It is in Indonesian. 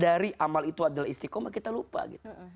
dari amal itu adalah istiqomah kita lupa gitu